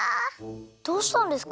どうしたんですか？